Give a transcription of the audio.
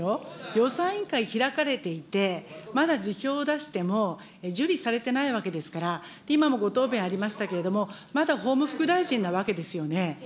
予算委員会開かれていて、まだ辞表を出しても受理されてないわけですから、今もご答弁ありましたけれども、まだ法務副大臣なわけですよね。